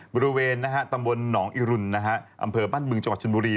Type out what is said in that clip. บริเวณตำบลหนองอิรุณอำเภอบ้านบึงจังหวัดชนบุรี